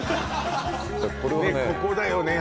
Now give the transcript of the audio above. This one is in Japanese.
ここだよね